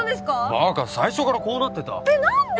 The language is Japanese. バカ最初からこうなってたえっ何で？